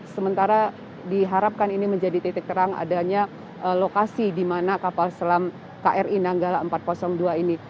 sementara diharapkan ini menjadi titik terang adanya lokasi di mana kapal selam kri nanggala empat ratus dua ini